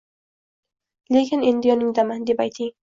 Lekin endi yoningdaman?” deb ayting.